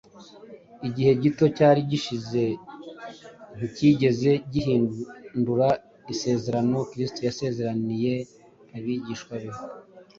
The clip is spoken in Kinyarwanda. Igihe gito cyari gishize nticyigeze gihindura isezerano Kristo yasezeraniye abigishwa be